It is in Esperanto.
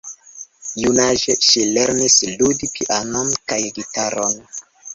Junaĝe ŝi lernis ludi pianon kaj gitaron.